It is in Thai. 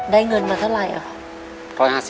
ได้เงินมาเท่าไรอ่ะ